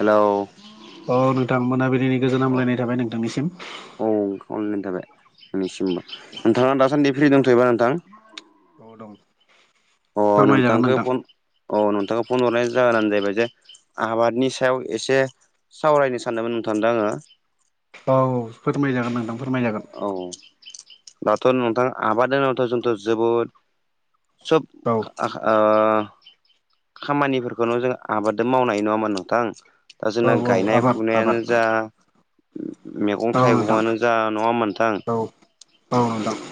Hello अ नोंथां मोनाबिलिनि गोजोन हामलायनाय थाबाय नोंथांनिसिम औ खावलायनाय थाबाय नोंनिसिमबो नोंथाङा दासान्दि फ्रि दंथ'योबा नोंथां औ दं अ फोरमायजागोन नोंथांखौ नोंथां फन औ नोंथांखौ फन हरनायनि जाहोनानो जाहैबाय जे आबादनि सायाव एसे सावरायनो सानदोंमोन नोंथांदो आङो औ फोरमायजागोन नोंथां फोरमायजागोन औ दाथ' नोंथां आबाद होनोबाथ' जोंथ' जोबोद सोब औ खामानिफोरखौनो जों आबाद दो मावनो हायो नङा होमबा नोंथां दा औ जोंना गायनाय आबाद आबाद फुनायानो जा मैगं औ नोंथां थाइगङानो जा नङा होनबा नोंथां औ औ नोंथां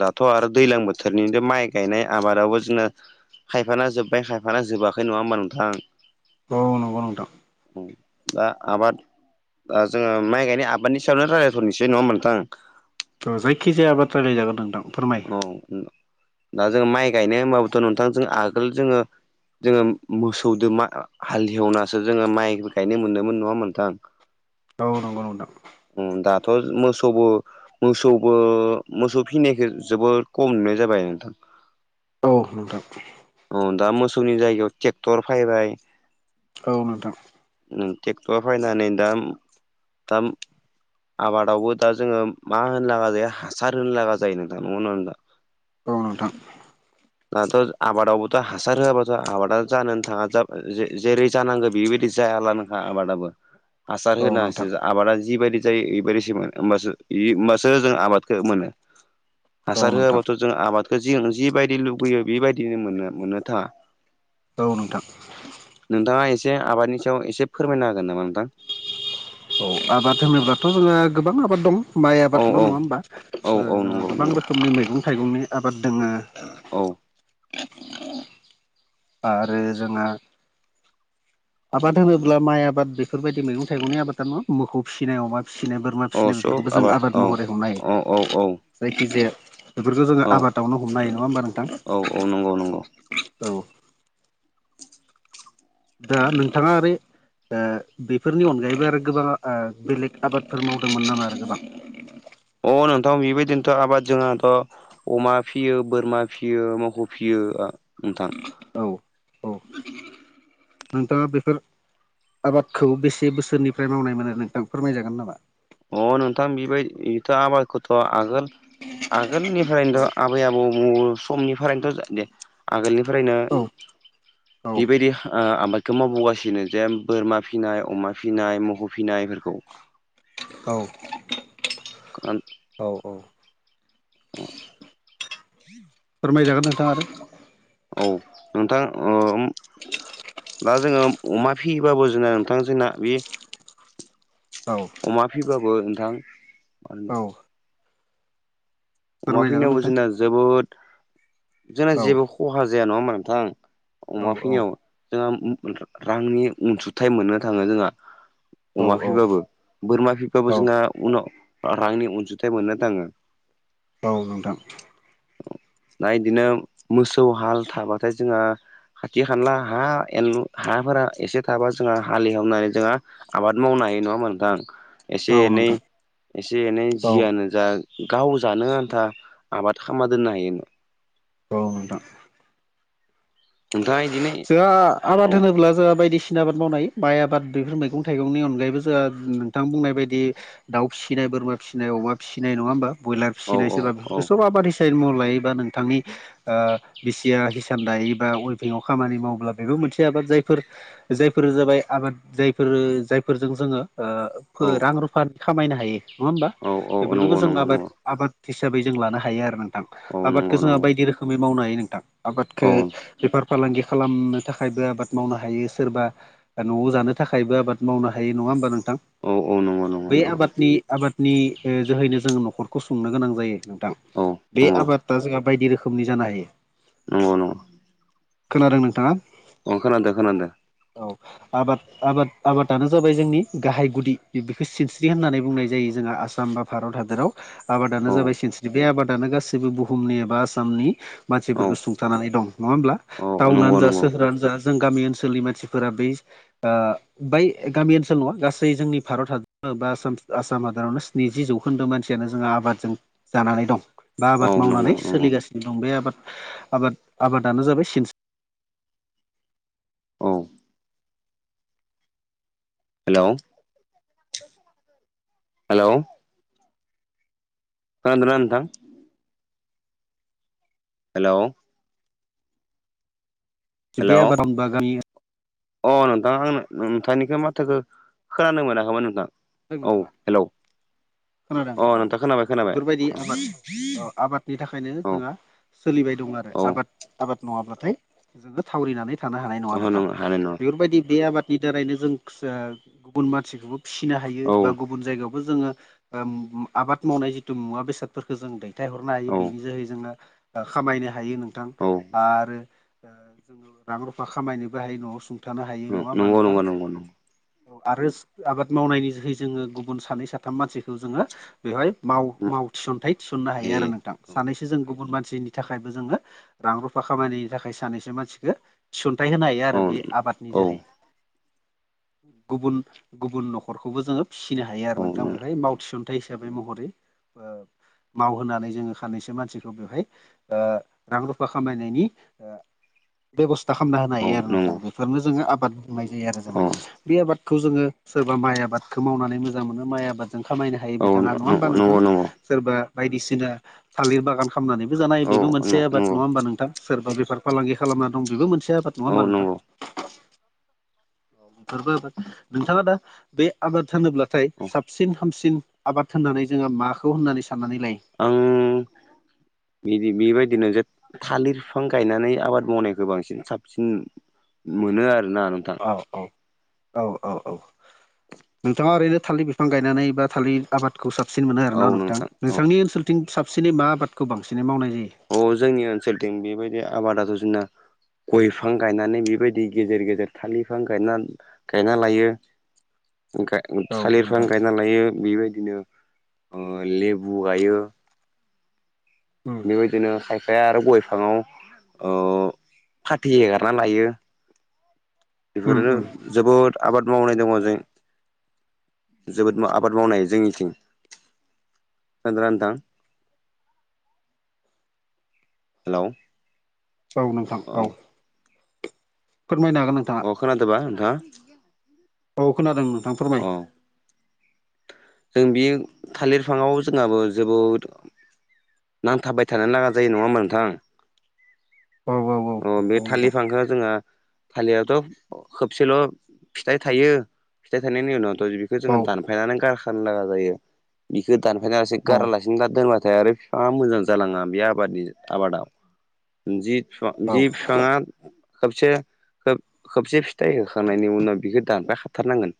दाथ' आरो दैलां बोथोरनि माइ गायनाय आबादावबो जोङो खायफाना जोब्बाय खायफाना जोबाखै नङा होमबा नोंथां औ नंगौ नोंथां दा आबाद दा जोङो माइ गायनाय आबादनि सायावनो रायलायथ'नोसै नङा होमबा नोंथां थ' जायखिजाया बाथ्रा रायलायजागोन नोंथां फोरमाय औ दा जों माइ गायनो होनबाबोथ' नोंथांजों आगोल जोङो जोङो मोसौदो मा हालिएवनासो जोङो माइ गायनो मोन्दोंमोन नङा होमबा नोंथां [inaudible] औ नंगौ नोंथां दाथ' मोसौबो मोसौबो मोसौ फिनायखो जोबोद खम नुनाय जाबाय नोंथां औ नोंथां औ दा मोसौनि जायगायाव ट्रेक्टर फायबाय औ नोंथां ट्रेक्टर फैनानै दा दा आबादावबो दा जोङो मा होनो लागा जायो हासार होनो लागा जायो नोंथां नंगौ ना नोंथां औ नोंथां दाथ' आबादावबोथ' हासार होआबाथ' आबादा जानोनो थाङा जेरै जानांगो बेबायदि जायानोखा आबादाबो हासार औ होनानैसो आबादा जिबायदि जायो बेबायदिसो होमबासो होमबासो जों आबादखो मोनो हासार नोंथां होआबाथ' जों आबादखौ जि जिबायदि लुबैयो बेबायदिनो मोननो मोननो थाङा औ नोंथां नोंथाङा एसे आबादनि सायाव एसे फोरमायना हागोन नामा नोंथां औ आबाद होनोब्लाथ' जोंहा गोबां आबाद दं माइ औ आबादल' औ नङा होमबा औ औ जोंहा नंगौ गोबां रोखोम नंगौ रोखोमनि मैगं थाइगंनि आबाद दोङो औ आरो जोंहा आबाद होनोब्ला माइ आबाद बेफोरबायदि मैगं थाइगंनि आबादा नङा मोखौ फिसिनाय अमा फिसिनाय बोरमा औ फिसिनाय सब बेफोरखौबो जों आबाद औ महरैखौ औ औ नायो औ जायखिजाया बेफोरखौ जोंङो आबादावनो हमनो हायो नंङा होमबा नो औ-औ नंगौ नंगौ औ दा नोंथांङा ओरै बेफोरनि अनगायैबो आरो गोबां बेलेग आबादफोर मावदोंमोन नामा आरो गोबां अ नोंथां बेबायदिनोथ' आबाद जोंङाथ' अमा फिसियो बोरमा फिसियो मोसौ फिसियो नोंथां औ औ नोंथाङा बेफोर आबादखौ बेसे बोसोरनिफ्राय मावनाय मोनो नोंथां फोरमायजागोन नामा अ नोंथां बेबाय बेथ' आबादखौथ' आगोल औ आगोलनिफ्रायनोथ' आबै आबौ समनिफ्रायनोथ' दे आगोलनि फ्रायनो औ औ बेबायदि आबाद बेखौ मावबोगासिनो जे बोरमा फिनाय अमा फिनाय मोखौ फिनायफोरखौ औ [unintelligible] औ औ फोरमायजागोन नोंथां आरो औ नोंथां दा जोंङो अमा फियोबाबो जोंना नोंथां जोंना बे औ अमा फिबाबो नोंथां मा औ अमा फोरमायजागोन फिनायावबो नोंथां जोंना जोबोद जोंना औ जेबो खहा जाया नङा होमबा नोंथां औ अमा फिनायाव औ जोंहा रांनि अनसुंथाइ मोननो थाङो जोंहा औ अमा औ फिबाबो बोरमा फिब्लााबो औ जोंहा उनाव रांनि अनसुंथाइ मोननो थांङो औ नोंथां दा इदिनो मोसौ हाल थाबाथाय जोंहा खाथि खाला हा एनलु हाफोरा एसे थाबा जोंहा हाले एवनानै जोंहा आबाद मावनो हायो नङामोन नोंथां एसे औ एनै नोंथां एसे एनै औ जियानो जा गाव जानो आन्था आबाद खामना दोननो हायो औ नोंथां नोंथाङा बिदिनो जोंहा आबाद होनोब्ला जोंहा बायदिसिना आबाद मावनो हायो माइ आबाद बेफोर मैगं थाइगंनि अनगायैबो जोंहा बिथां बुंनाय बायदि दाउ फिसिनाय बोरमा फिसिनाय अमा फिसिनाय नङा होमबा ब्रयलार औ फिसिनाय औ सोरबा औ बेफोरखौ सब आबाद साइ म लायोबा नोंथांनि बिसिया हिसान दायो बा वइभिंआव खामानि मावब्ला बेबो मोनसे आबाद जायफोर जायफोर जाबाय आबाद जायफोरो जायफोरजों औ जोङो रां रुफानि खामायनो हायो नङा होमबा औ औ बेफोरखौबो नंगौ जों नंगौ आबाद नंगौ आबाद हिसाबै जों लानो हायो आरो नोंथां औ नंगौ आबादखौ जोंहा नंगौ बायदि रोखोमै मावनो हायो नोंथां आबादखौ औ बेफार फालांगि खालामनो थाखायबो आबाद मावनो हायो सोरबा न'आव जानो थाखायबो आबाद मावनो हायो नङा होमबा नोंथां औ औ नंगौ नंगौ बे नंगौ आबादनि आबादनि ओ जोहैनो जोङो न'खरखौ सुंनो गोनां जायो औ बे नंगौ आबादा जोंहा बायदि रोखोमनि जानो हायो नंगौ नंगौ खोनादों नोंथांङा औ खोनादो खोनादो औ आबाद आबाद आबादानो जाबाय जोंनि गाहाय गुदि बेखौ सिनस्रि होननानै बुंनाय जायो जोंहा आसाम बा भारत हादराव आबादानो औ जाबाय सिनस्रि बे आबादानो गासैबो बुहुमनि एबा आसामनि औ मानसिफोरखौ सुं थानानै दं नङा होमब्ला औ टाउनानो नंगौ जा नंगौ सोहोरानो जा जों गामि ओनसोलनि मानसिफोरा बै ओ बै गामि ओनसोलल नङा गासै जोंनि भारत हादरावनो बा आसाम हादरावनो स्निजि जौखोन्दो मानसियानो जोंहा आबादजों जानानै दं बा औ आबाद नंगौ मावनानै नंगौ सोलिगासिनो दं बे आबाद आबाद आबादानो जाबाय सिनस औ हेलौ हेलौ खोनादोना नोंथां? हेलौ बे हेलौ आबाद [unintelligible] अ नोंथां आंनो नोंथांनिखो माथोखो खोनानो मोनाखैमोन नोंथां औ नोंथाङा हेलौ खोनादों अ औ नोंथां खोनाबाय खोनाबाय बेफोरबायदि आबाद आबादनि थाखायनो औ जोंहा सोलिबाय दं आरो औ आबाद आबाद नङाब्लाथाय जोङो थावरिनानै थानो हानाय नङा ओहो नोंथां हानाय नङा बेफोरबायदि बे आबाद नि दारैनो जों ओ गुबुन मानसिखौबो फिसिनो हायो औ बा गुबु न जायगायावबो जोङो ओ आबाद मावनाय जिथु मुवा बेसाद फोरखो जों दैथाय हरनाय औ बेनि जोहै जोङो ओ खामायनो हायो नोंथां औ आरो जोङो रां रुफा खामायनोबो हायो न'आव सुं ओं नंगौ नंगौ नंगौ नंगौ औ आरो आबाद मावनायनि जोहै जोङो गुबुन सानै साथाम मानसिखौ जोङो बेवहाय माव माव थिसनथाइ थिसननो हायो ए आरो नोंथां सानैसो जों गुबुन मानसिनि थाखायबो जोङो रां रुफा खामायनायनि थाखाय सानैसो मानसिखो थिसनथाइ होनो हायो औ आरो बे आबादनि औ जोहै गुबुन गुबुन न'खरखौबो जोङो फिसिनो हायो आरो औ नोंथां बेहाय माव थिसन्थाइ हिसाबै महरै मावहोनानै जोङो खानैसो मानसिखौ बेवहाय ओ रां-रुफा खामायनायनि [inaudible] बेबस्था खामना होनो औ हायो आरो नंगौ नोंथां बेफोरनो जोङो आबाद बुंनाय जायो आरो जों औ बे आबादखौ जोङो सोर बा माइ आबादखौ मावनानै मोजां मोनो माइ आबादजों खामायनो हायो औ बिथाङा नङा होमबा नोंथां? नंगौ नंगौ सोरबा बायदिसिना थालिर बागान खामनानैबो जानाय औ बेबो मोनसे आबाद नंगौ नङा होमबा नोंथां? सोरबा बेफार फालांगि खालामना दं बेबो मोनसे आबाद नङा औ होमबा नोंथां? नंगौ बेफोरबो आबाद नोंथाङा दा बे आबाद होनोब्लाथाय औ साबसिन हामसिन आबाद होननानै जोङो माखौ होननानै साननानै लायो? आं बिबि बेबायदिनो जे थालिर फिफां गायनानै आबाद मावनायखो बांसिन साबसिन मोनो आरोना नोंथां औ औ औ औ औ नोंथाङा ओरैनो थालिर बिफां गायनानै बा थालिर आबादखौ साबसिन मोनो औ आरोना नोंथां औ नोंथांनि ओनसोलथिं साबसिनै मा आबादखौ बांसिनै मावनाय जायो? अ जोंनि ओनसोलथिं बेबायदि आबादाथ जोंना गय बिफां गायनानै बेबायदि गेजेर गेजेर थालिर बिफां गायना गायना लायो गा जायो औ थालिर फिफां‌ नोंथां गायना लायो बेबायदिनो ओ लेबु गायो उम बेबायदिनो खायफाया आरो गय बिफाङाव ओ फाथै हेगारना लायो उम बेफोरनो उम जोबोद आबाद मावनाय दङ जों जोबोद आबाद मावनाय जोंनिथिं खोनादोना नोंथां? हेलौ औ नोंथां औ फोरमायनो हागोन नोंथां अ खोनादोबा नोंथाङा? औ खोनादों नोंथां औ फोरमाय जों बे थालिर फिफाङाव जोंहाबो जोबोद नांथाबबाय थानो नाङा जायो नङा होमबा नोंथां? औ औ औ अ बे नंगौ थालि नोंथां बिफांखौ जोङो थालिरयाथ' खोबसेल' फिथाइ थायो फिथाइ थायनायनि उनावथ' इखौ जोङो औ दानफायनानै गारखानो लागा जायो बिखो दानफाया लासे गारालासिनो दोनबाथाय आरो बिफाङा मोजां जालाङा बे आबादनि आबादाव जि औ जि बिफाङा खोबसे खोब-खोबसे फिथाइ होखांनायनि उनाव बिखौ दानफाय खाथारनांगोन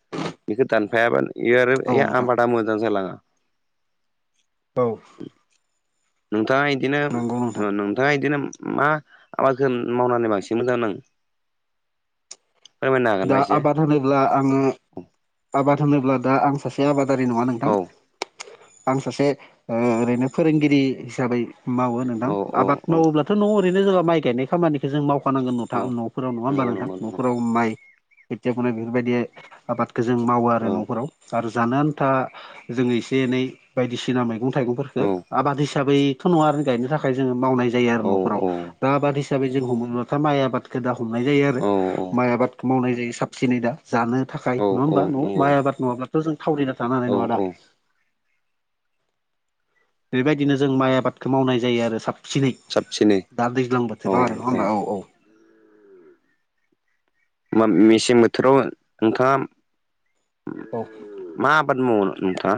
बेखौ दानफायाबा बे आरो औ औ बे नोंथां आबादा मोजां जालाङा औ नोंथाङा इदिनो नंगौ नोंथां नोंथाङा इदिनो मा आबादखौ मावनानै बांसिन मोजां नाङो? फोरमायनो हागोनबा दा एसे आबाद होनोब्ला आङो आबाद होनोब्ला दा आं सासे बे आबादारि नङा नोंथां औ आं सासे ओ ओरैनो फोरोंगिरि हिसाबै मावो नोंथां औ औ औ आबाद मावोब्ला दाथ' ओरैनो जोङो माइ गायनाय खामानिखौ जों मावखानांगोन औ नोंथां न'फोराव नङा नंगौ होमबा नोंथां नंगौ नंगौ न'फोराव माइ खोथियाखौनो बेफोरबायदि आबादखौ जों मावो औ आरो न'फोराव आरो जानो आन्था जोङो एसे एनै बायदिसिना मैगं थाइगंफोरखो औ आबाद हिसाबै थ' नङा आरो गायनो थाखाय जोङो मावनाय जायो आरो औ न'फोराव औ दा आबाद हिसाबै जों हमोबाथा माइ आबाद खो दा हमनाय जायो आरो माइ आबादखौ मावनाय जायो साबसिनै दा जानो थाखाय नङा औ होमबा न'आव नंगौ माइ आबाद नङाब्लाथ' जों थावरिना थानो हानाय औ नङा दा औ बेबायदिनो जों माइ आबादखौ मावनाय जायो आरो साब सिनै साबसिनै दा दैज्लां बोथोराव आरो नङा होनबा औ औ ओमबा मेसें बोथोराव नोंथाङा अ मा आबाद मावो नोंथाङा?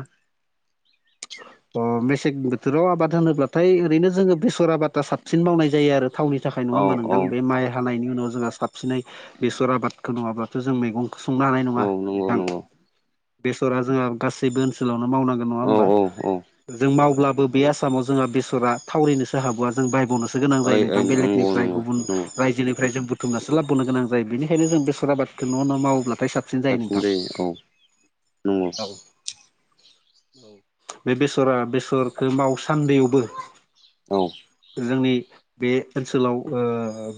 अ मेसें बोथोराव आबाद होनोब्लाथाय ओरैनो जोङो बेसर आबादा साबसिन मावनाय जायो आरो थावनि थाखाय नङा औ होमबा औ नोंथां बे माइ हानायनि उनाव जोंहा साबसिनै बेसर आबादखौ नङाब्लाथ' जों मैगं संनो हानाय औ नङा नंगौ नोंथां नंगौ बेसरा जोंहा गासैबो ओनसोलावनो मावनांगौ नङा होमबा अ जों मावब्लाबो बे आसामाव जोंहा बेसरा थावरिनो स हाबावा जों बायबावनोसो गोनां ओइ जायो नोंथां ओइ नंगौ बेलेगनिफ्राय नंगौ गुबुन नंगौ रायजोनिफ्राय जों दुमनासो लाबोनो गोनां जायो बेनिखायनो जों बेसर आबादखौ न' न' मावोब्लाथाय साब सिन जायो साबसिन नोंथां औ नंगौ औ बे बेसरा बेसरखौ माव सान्दियावबो औ जोंनि बे ओनसोलाव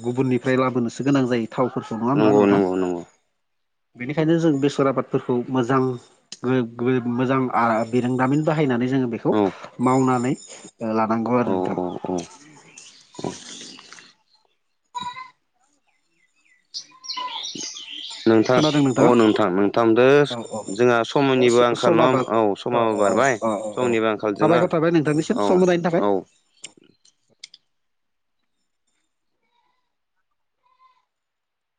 गुबुननिफ्राय लाबोनोसो गोनां जायो थावफोर नङा होमबा नंगौ नोंथां? नंगौ नंगौ बेनिखायनो जों बेसर आबादफोरखौ मोजां [unintelligible] आ मोजां बिरोंदामिन बाहायनानै जोङो बेखौ औ मावनानै लानांगौ आरो नोंथां ओम [inaudible] नोंथां खोनादों औ नोंथाङा नोंथां नोंथां दो औ औ जोंहा समायनिबो अ आंखाल समा नङा बार होनबा औ अ समाबो अ बारबाय अ अ अ समनिबो आंखाल जोङो साबायखर थाबाय नोंथांनिसिम औ सम होनायनि थाखाय औ